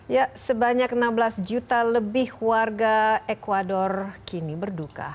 ya sebanyak enam belas juta lebih warga ecuador kini berduka